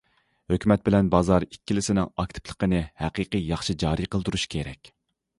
ھۆكۈمەت بىلەن بازار ئىككىلىسىنىڭ ئاكتىپلىقىنى ھەقىقىي ياخشى جارى قىلدۇرۇش كېرەك.